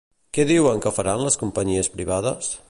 Què diuen que faran les companyies privades?